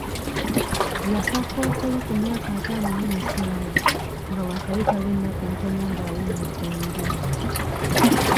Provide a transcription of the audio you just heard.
Yafa Kkookolo ku myaka ataano mu musanvu nga waakayitawo ennaku ntono nga awummudde emirimu.